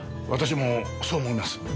私もそう思います。